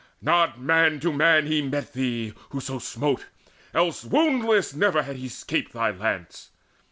Not man to man he met thee, whoso smote; Else woundless never had he 'scaped thy lance!